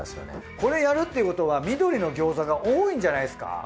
これやるっていうことは緑の餃子が多いんじゃないですか。